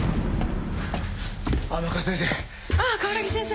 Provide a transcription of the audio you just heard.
・甘春先生。